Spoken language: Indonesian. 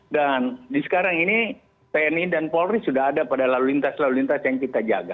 dan di sekarang ini pni dan polri sudah ada pada lalu lintas lalu lintas yang kita jaga